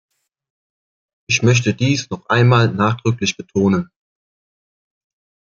Ich möchte dies noch einmal nachdrücklich betonen.